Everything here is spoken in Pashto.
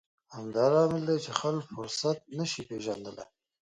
همدا لامل دی چې خلک فرصت نه شي پېژندلی.